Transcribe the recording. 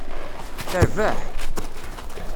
Terbeḥ?